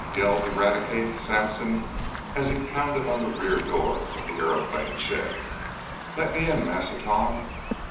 yelled Eradicate Sampson as he pounded on the rear door of the aeroplane shed. "Let me in, Massa Tom!"